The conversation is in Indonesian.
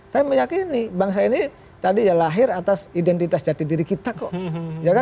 saya meyakini bangsa ini tadi ya lahir atas identitas jati diri kita kok